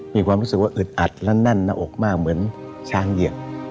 มีความรู้สึกว่าอึดอัดและแน่นหน้าอกมากเหมือนช้างเหยียบ